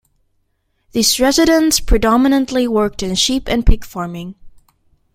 These residents predominantly worked in sheep and pig farming.